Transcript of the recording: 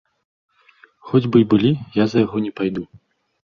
Хоць бы й былі, я за яго не пайду.